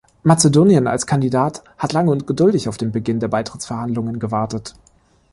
Mazedonien als Kandidat hat lange und geduldig auf den Beginn der Beitrittsverhandlungen gewartet.